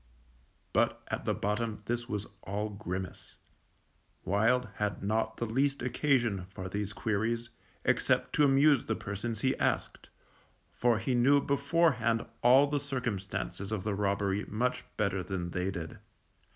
But at the bottom this was all grimace. Wild had not the least occasion for these queries, except to amuse the persons he asked, for he knew beforehand all the circumstances of the robbery much better than they did.